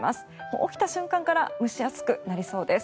起きた瞬間から蒸し暑くなりそうです。